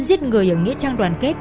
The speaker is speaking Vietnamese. giết người ở nghĩa trang đoàn kết